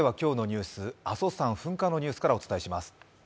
阿蘇山噴火のニュースからお伝えします。